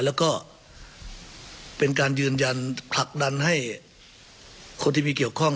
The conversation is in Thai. แล้วก็เป็นการยืนยันผลักดันให้คนที่มีเกี่ยวข้อง